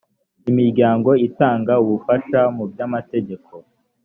imiryango itanga ubufasha mu by amategeko